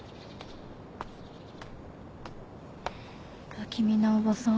不気味なおばさん。